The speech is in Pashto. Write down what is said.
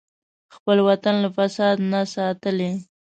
خپل وطن له فساد نه ساتلی.